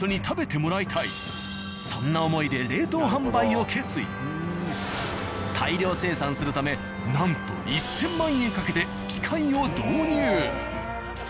そんな思いで大量生産するためなんと１０００万円かけて機械を導入。